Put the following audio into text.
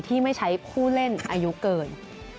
ที่ไม่ใช้ผู้เล่นอายุเกิน